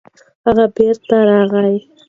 هغه بېرته راغی.